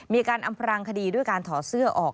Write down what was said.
มีการอำพรางคดีด้วยการถอดเสื้อออก